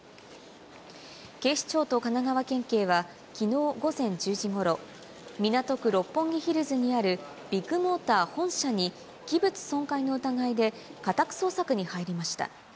警視庁と神奈川県警は、きのう午前１０時ごろ、港区六本木ヒルズにあるビッグモーター本社に器物損壊の疑いで、家宅捜索に入りました。